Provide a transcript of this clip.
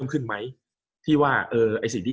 กับการสตรีมเมอร์หรือการทำอะไรอย่างเงี้ย